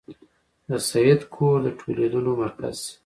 د سید کور د ټولېدلو مرکز شي.